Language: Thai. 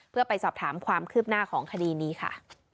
เพื่อไปสอบถามความคืบหน้าของคดีนี้ค่ะ